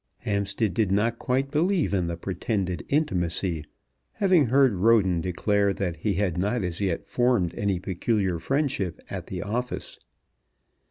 Hampstead did not quite believe in the pretended intimacy, having heard Roden declare that he had not as yet formed any peculiar friendship at the Office.